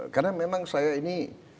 karena memang saya ini